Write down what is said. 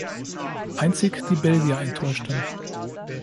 Einzig die Belgier enttäuschten.